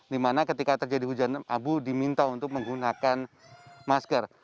dimana ketika terjadi hujan abu diminta untuk menggunakan masker